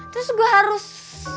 terus gue harus